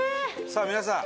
さあ皆さん。